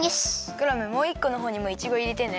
クラムもう１このほうにもいちごいれてね。